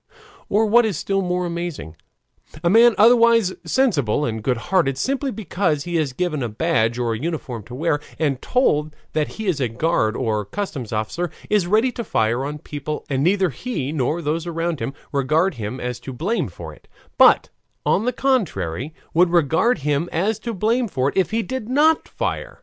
Or what is still more amazing; a man, otherwise sensible and good hearted, simply because he is given a badge or a uniform to wear, and told that he is a guard or customs officer, is ready to fire on people, and neither he nor those around him regard him as to blame for it, but, on the contrary, would regard him as to blame if he did not fire.